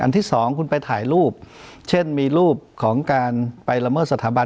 ที่สองคุณไปถ่ายรูปเช่นมีรูปของการไปละเมิดสถาบัน